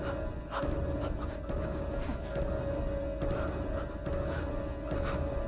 berarti gak silau sama kekayaan pak mandor